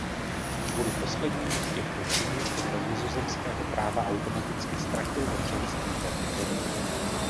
Kvůli poslednímu z těchto činů podle nizozemského práva automaticky ztratil občanství této země.